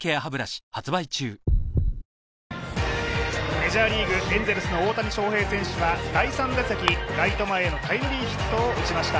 メジャーリーグ、エンゼルスの大谷翔平選手は第３打席、ライト前へのタイムリーヒットを打ちました。